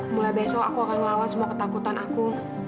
mulai besok aku akan melawan semua ketakutan aku